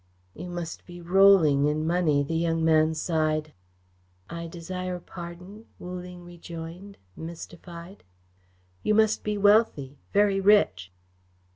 "You must be rolling in money," the young man sighed. "I desire pardon," Wu Ling rejoined, mystified. "You must be wealthy very rich."